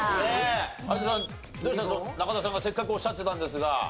有田さん中田さんがせっかくおっしゃってたんですが。